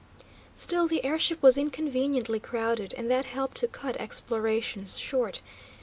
Still, the air ship was inconveniently crowded, and that helped to cut explorations short.